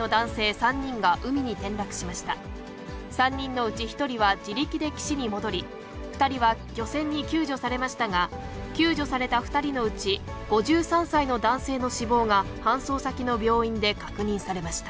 ３人のうち１人は自力で岸に戻り、２人は漁船に救助されましたが、救助された２人のうち、５３歳の男性の死亡が、搬送先の病院で確認されました。